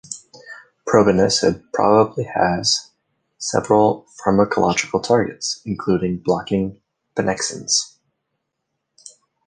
Probenecid probably has several pharmacological targets, including blocking pannexins.